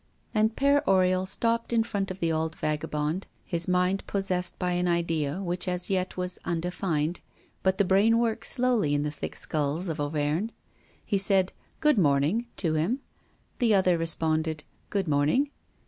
And Père Oriol stopped in front of the old vagabond, his mind possessed by an idea which as yet was undefined, for the brain works slowly in the thick skulls of Auvergne. He said "Good morning" to him. The other responded "Good morning."